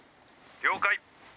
了解。